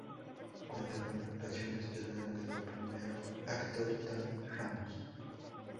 Cuenta con la actuación estelar de lo primero actor Tony Ramos.